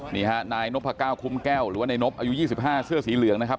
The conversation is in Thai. นี่ฮะนายนพก้าวคุ้มแก้วหรือว่าในนบอายุ๒๕เสื้อสีเหลืองนะครับ